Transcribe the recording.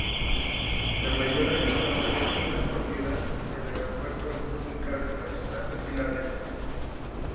La mayoría de la propiedad del aeropuerto está ubicada en la ciudad de Filadelfia.